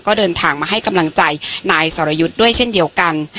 ก็เดินทางมาให้กำลังใจนายสรยุทธ์ด้วยเช่นเดียวกัน